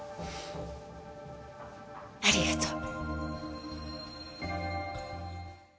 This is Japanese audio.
ありがとう。